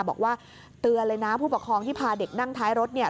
บอกว่าเตือนเลยนะผู้ปกครองที่พาเด็กนั่งท้ายรถ